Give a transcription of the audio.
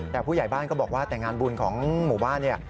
แต่ผู้ใหญ่บ้านก็บอกว่าแต่งานบุญของหมู่บ้านเนี่ย